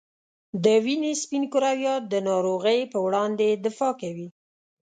د وینې سپین کرویات د ناروغۍ په وړاندې دفاع کوي.